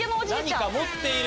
何か持っている。